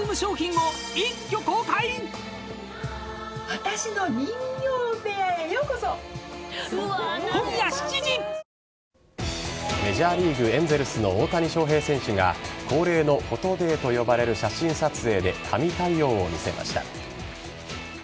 サントリー天然水「ＴＨＥＳＴＲＯＮＧ」激泡メジャーリーグエンゼルスの大谷翔平選手が恒例のフォトデーと呼ばれる写真撮影で神対応を見せました。